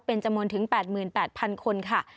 เป็นจำนวนถึง๘๘๐๐๐คนค่ะ